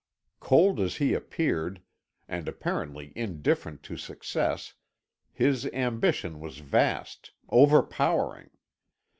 Cold as he appeared, and apparently indifferent to success, his ambition was vast, overpowering.